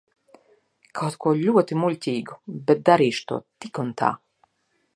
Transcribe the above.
Kaut ko ļoti muļķīgu, bet darīšu to tik un tā.